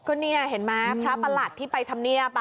ก็นี่เห็นไหมพระประหลัดที่ไปทำเนียบ